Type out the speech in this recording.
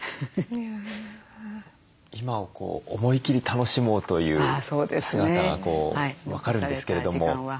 今を思いきり楽しもうという姿が分かるんですけれども。